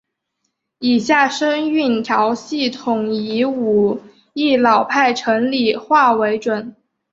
以下声韵调系统以武义老派城里话为准。